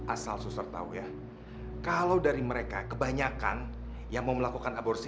asal suster tahu ya kalau dari mereka kebanyakan yang mau melakukan aborsi